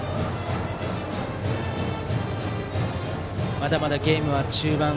まだまだゲームは中盤。